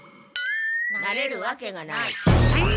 なれるわけがない。